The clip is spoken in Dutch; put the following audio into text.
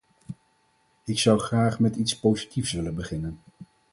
Ik zou graag met iets positiefs willen beginnen.